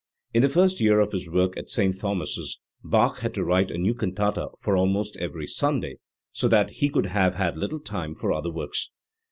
In the first year of his work at St. Thomas's, Bach had to write a new cantata for almost every Sunday, so that he could have had little time for other works.